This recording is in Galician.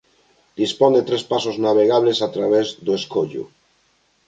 Dispón de tres pasos navegables a través do escollo.